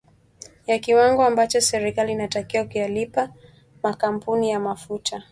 ya kiwango ambacho serikali inatakiwa kuyalipa makampuni ya mafuta